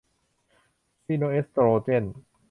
ซีโนเอสโตรเจน